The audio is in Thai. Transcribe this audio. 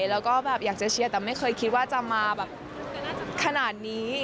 แล้วก็แบบอยากจะเชียร์แต่ไม่เคยคิดว่าจะมาแบบขนาดนี้